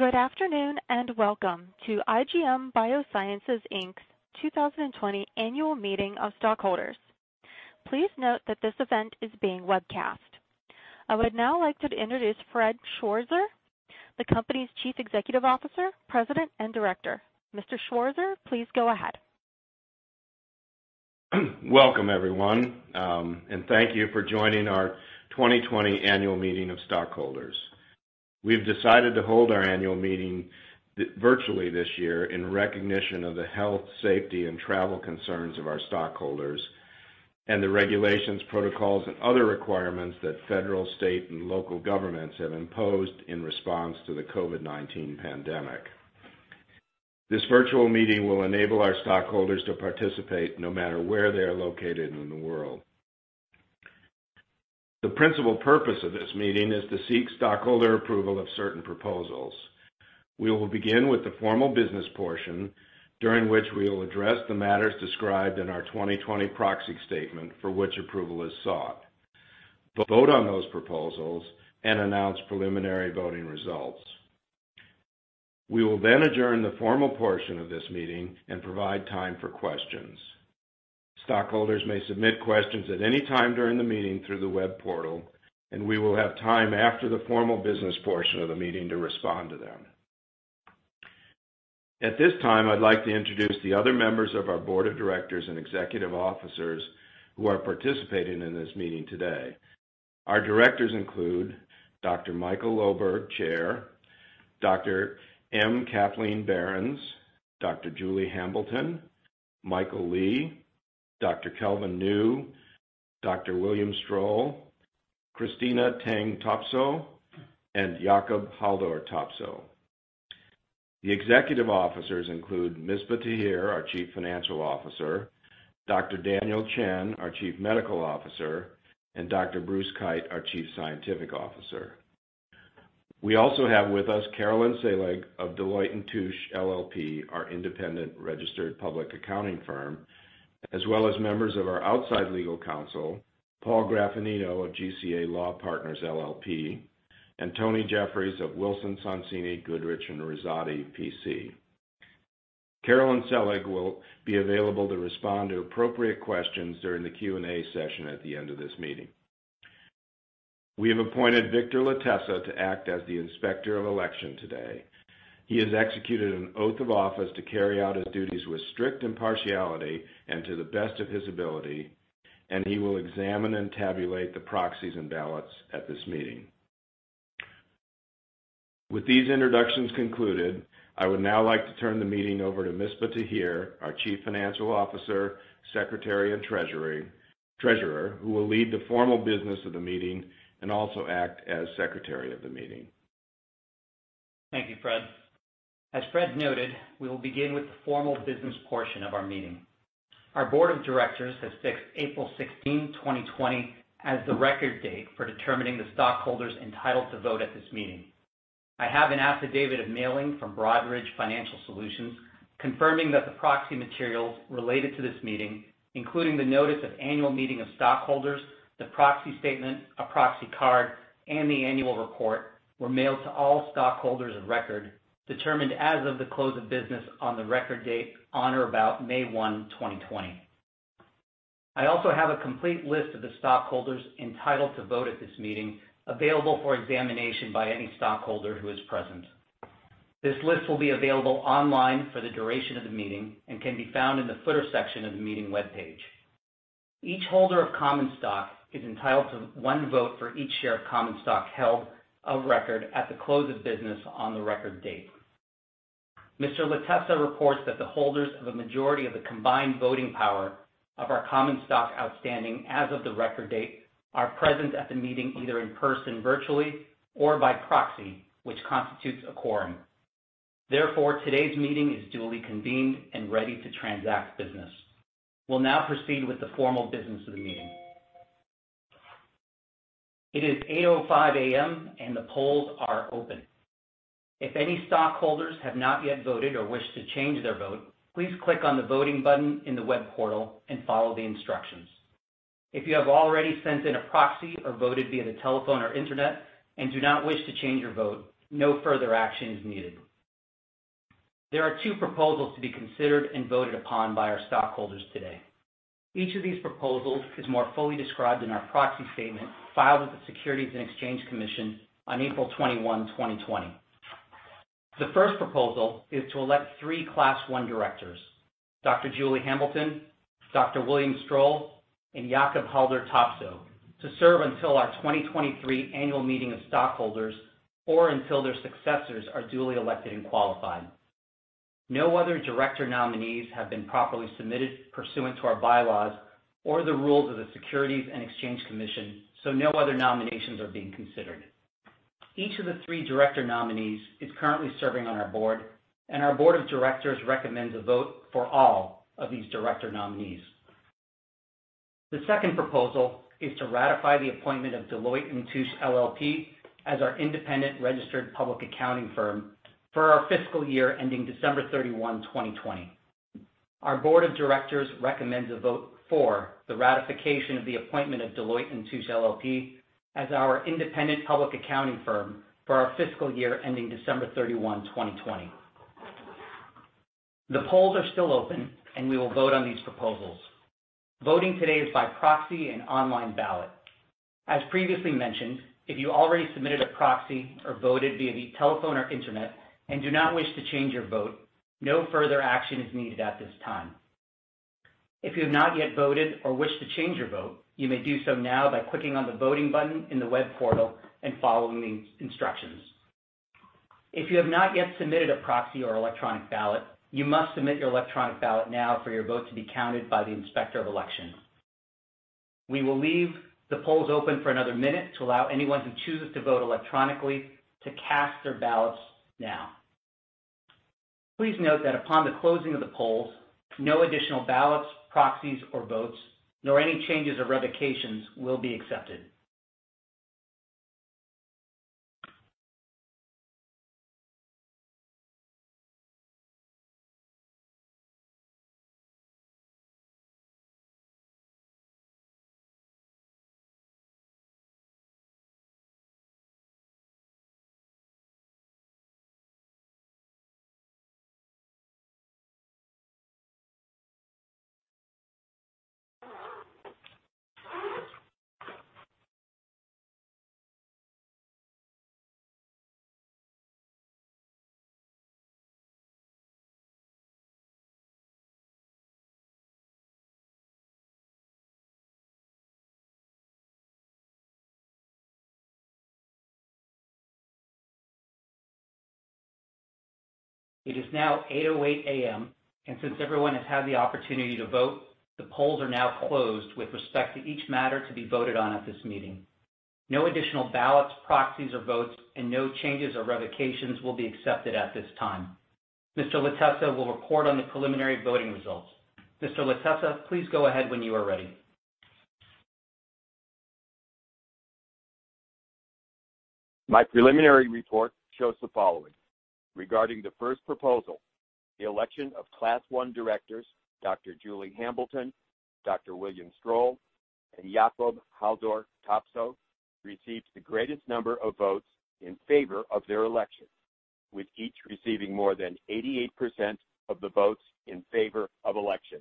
Good afternoon, welcome to IGM Biosciences, Inc.'s 2020 Annual Meeting of Stockholders. Please note that this event is being webcast. I would now like to introduce Fred Schwarzer, the company's Chief Executive Officer, President, and Director. Mr. Schwarzer, please go ahead. Welcome, everyone, and thank you for joining our 2020 Annual Meeting of Stockholders. We've decided to hold our annual meeting virtually this year in recognition of the health, safety, and travel concerns of our stockholders and the regulations, protocols, and other requirements that federal, state, and local governments have imposed in response to the COVID-19 pandemic. This virtual meeting will enable our stockholders to participate no matter where they're located in the world. The principal purpose of this meeting is to seek stockholder approval of certain proposals. We will begin with the formal business portion, during which we will address the matters described in our 2020 proxy statement for which approval is sought, vote on those proposals, and announce preliminary voting results. We will then adjourn the formal portion of this meeting and provide time for questions. Stockholders may submit questions at any time during the meeting through the web portal, and we will have time after the formal business portion of the meeting to respond to them. At this time, I'd like to introduce the other members of our board of directors and executive officers who are participating in this meeting today. Our directors include Dr. Michael Loberg, Chair, Dr. M. Kathleen Behrens, Dr. Julie Hambleton, Michael Lee, Dr. Kelvin Neu, Dr. William Strohl, Christina Teng Topsøe, and Jakob Haldor Topsøe. The executive officers include Misbah Tahir, our Chief Financial Officer, Dr. Daniel Chen, our Chief Medical Officer, and Dr. Bruce Keyt, our Chief Scientific Officer. We also have with us Carolyn Selig of Deloitte & Touche LLP, our independent registered public accounting firm, as well as members of our outside legal counsel, Paul Graffagnino of GCA Law Partners LLP, and Tony Jeffries of Wilson Sonsini Goodrich & Rosati PC. Carolyn Selig will be available to respond to appropriate questions during the Q&A session at the end of this meeting. We have appointed Victor Latessa to act as the Inspector of Election today. He has executed an oath of office to carry out his duties with strict impartiality and to the best of his ability, and he will examine and tabulate the proxies and ballots at this meeting. With these introductions concluded, I would now like to turn the meeting over to Misbah Tahir, our Chief Financial Officer, Secretary, and Treasurer, who will lead the formal business of the meeting and also act as secretary of the meeting. Thank you, Fred. As Fred noted, we will begin with the formal business portion of our meeting. Our board of directors has fixed April 16, 2020, as the record date for determining the stockholders entitled to vote at this meeting. I have an affidavit of mailing from Broadridge Financial Solutions confirming that the proxy materials related to this meeting, including the notice of annual meeting of stockholders, the proxy statement, a proxy card, and the annual report, were mailed to all stockholders of record, determined as of the close of business on the record date on or about May 1, 2020. I also have a complete list of the stockholders entitled to vote at this meeting available for examination by any stockholder who is present. This list will be available online for the duration of the meeting and can be found in the footer section of the meeting webpage. Each holder of common stock is entitled to one vote for each share of common stock held of record at the close of business on the record date. Mr. Latessa reports that the holders of a majority of the combined voting power of our common stock outstanding as of the record date are present at the meeting, either in person, virtually, or by proxy, which constitutes a quorum. Therefore, today's meeting is duly convened and ready to transact business. We'll now proceed with the formal business of the meeting. It is 8:05 A.M. and the polls are open. If any stockholders have not yet voted or wish to change their vote, please click on the voting button in the web portal and follow the instructions. If you have already sent in a proxy or voted via the telephone or internet and do not wish to change your vote, no further action is needed. There are two proposals to be considered and voted upon by our stockholders today. Each of these proposals is more fully described in our proxy statement filed with the Securities and Exchange Commission on April 21, 2020. The first proposal is to elect three Class I directors, Dr. Julie Hambleton, Dr. William Strohl, and Jakob Haldor Topsøe, to serve until our 2023 annual meeting of stockholders or until their successors are duly elected and qualified. No other director nominees have been properly submitted pursuant to our bylaws or the rules of the Securities and Exchange Commission, so no other nominations are being considered. Each of the three director nominees is currently serving on our board, and our board of directors recommends a vote for all of these director nominees. The second proposal is to ratify the appointment of Deloitte & Touche LLP as our independent registered public accounting firm for our fiscal year ending December 31, 2020. Our board of directors recommends a vote for the ratification of the appointment of Deloitte & Touche LLP as our independent public accounting firm for our fiscal year ending December 31, 2020. The polls are still open, we will vote on these proposals. Voting today is by proxy and online ballot. As previously mentioned, if you already submitted a proxy or voted via the telephone or internet and do not wish to change your vote, no further action is needed at this time. If you have not yet voted or wish to change your vote, you may do so now by clicking on the voting button in the web portal and following the instructions. If you have not yet submitted a proxy or electronic ballot, you must submit your electronic ballot now for your vote to be counted by the Inspector of Election. We will leave the polls open for another minute to allow anyone who chooses to vote electronically to cast their ballots now. Please note that upon the closing of the polls, no additional ballots, proxies or votes, nor any changes or revocations will be accepted. It is now 8:08 A.M., and since everyone has had the opportunity to vote, the polls are now closed with respect to each matter to be voted on at this meeting. No additional ballots, proxies or votes, and no changes or revocations will be accepted at this time. Mr. Latessa will report on the preliminary voting results. Mr. Latessa, please go ahead when you are ready. My preliminary report shows the following. Regarding the first proposal, the election of Class I directors, Dr. Julie Hambleton, Dr. William Strohl, and Jakob Haldor Topsøe, received the greatest number of votes in favor of their election, with each receiving more than 88% of the votes in favor of election.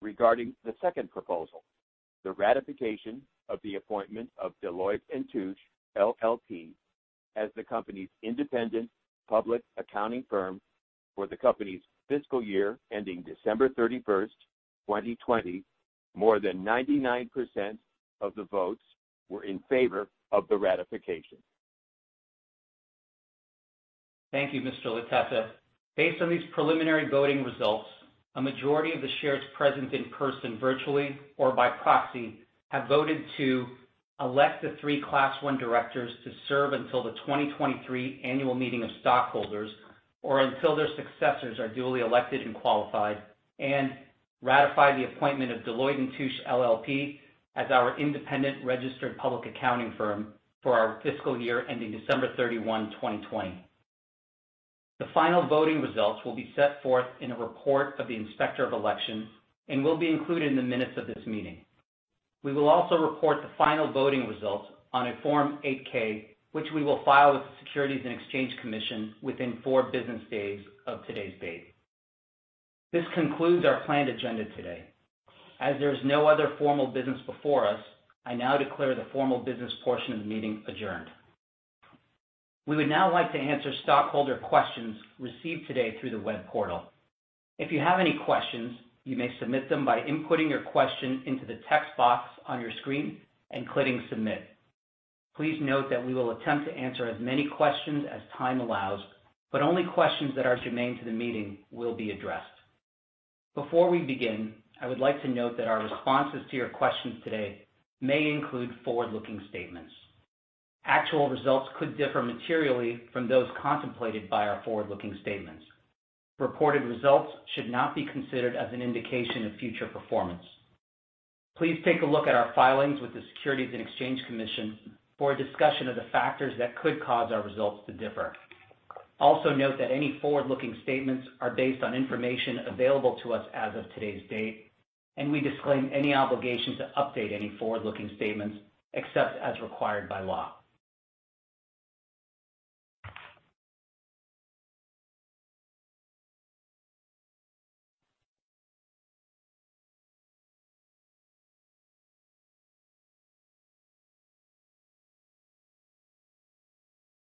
Regarding the second proposal, the ratification of the appointment of Deloitte & Touche LLP as the company's independent public accounting firm for the company's fiscal year ending December 31st 2020, more than 99% of the votes were in favor of the ratification. Thank you, Mr. Latessa. Based on these preliminary voting results, a majority of the shares present in person, virtually or by proxy have voted to elect the three Class I directors to serve until the 2023 Annual Meeting of Stockholders, or until their successors are duly elected and qualified, and ratify the appointment of Deloitte & Touche LLP as our independent registered public accounting firm for our fiscal year ending December 31, 2020. The final voting results will be set forth in a report of the Inspector of Election and will be included in the minutes of this meeting. We will also report the final voting results on a Form 8-K, which we will file with the Securities and Exchange Commission within four business days of today's date. This concludes our planned agenda today. As there is no other formal business before us, I now declare the formal business portion of the meeting adjourned. We would now like to answer stockholder questions received today through the web portal. If you have any questions, you may submit them by inputting your question into the text box on your screen and clicking submit. Please note that we will attempt to answer as many questions as time allows, but only questions that are germane to the meeting will be addressed. Before we begin, I would like to note that our responses to your questions today may include forward-looking statements. Actual results could differ materially from those contemplated by our forward-looking statements. Reported results should not be considered as an indication of future performance. Please take a look at our filings with the Securities and Exchange Commission for a discussion of the factors that could cause our results to differ. Also note that any forward-looking statements are based on information available to us as of today's date, and we disclaim any obligation to update any forward-looking statements except as required by law.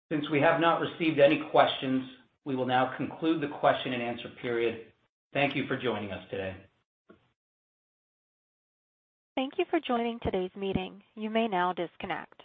Since we have not received any questions, we will now conclude the question and answer period. Thank you for joining us today. Thank you for joining today's meeting. You may now disconnect.